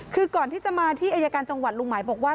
คือก่อนที่จะมาที่อายการจังหวัดลุงหมายบอกว่า